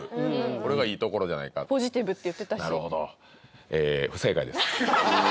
これがいいところじゃないかポジティブって言ってたしなるほどえ不正解です